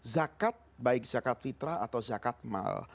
zakat baik zakat fitrah atau zakat mal